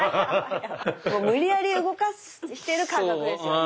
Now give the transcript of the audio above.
無理やり動かしてる感覚ですよね。